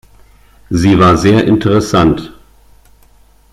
Sie war sehr interessant.